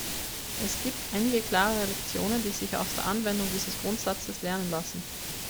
Es gibt einige klare Lektionen, die sich aus der Anwendung dieses Grundsatzes lernen lassen.